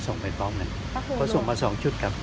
ส่งไปของกันเค้าส่งมาสองชุดครับ